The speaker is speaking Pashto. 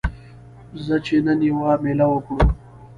ځه چې نن یوه میله وکړو